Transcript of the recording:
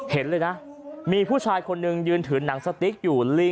เห็นเลยนะมีผู้ชายคนหนึ่งยืนถือหนังสติ๊กอยู่